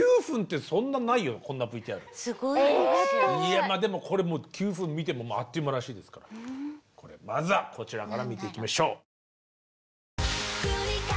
いやまあでもこれ９分見てもあっという間らしいですからまずはこちらから見ていきましょう。